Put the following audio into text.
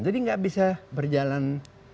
tidak bisa berjalan